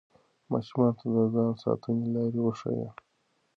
ماشومانو ته د ځان ساتنې لارې وښایئ.